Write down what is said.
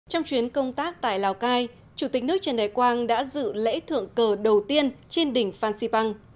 trong chuyến công tác tại lào cai chủ tịch nước trần đại quang đã dự lễ thượng cờ đầu tiên trên đỉnh phan xipang